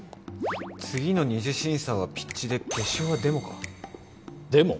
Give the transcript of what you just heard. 次の二次審査はピッチで決勝はデモかデモ？